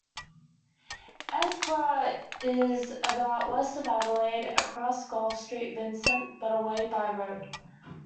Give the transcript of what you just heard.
Edithburgh is about west of Adelaide across Gulf St Vincent, but away by road.